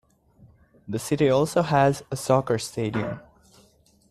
The city also has a soccer stadium.